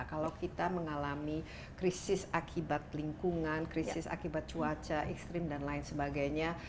kalau kita mengalami krisis akibat lingkungan krisis akibat cuaca ekstrim dan lain sebagainya